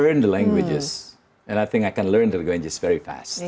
dan saya pikir saya bisa belajar bahasa bahasa mereka dengan sangat cepat